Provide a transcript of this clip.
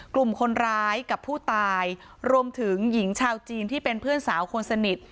กลุ่มคนร้ายกับผู้ตายรวมถึงหญิงชาวจีนที่เป็นเพื่อนสาวคนสนิท